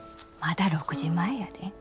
まだ６時前やで。